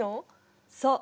そう。